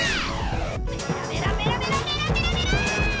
メラメラメラメラメラメラメラッ！